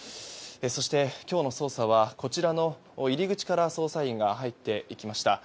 そして、今日の捜査はこちらの入り口から捜査員が入っていきました。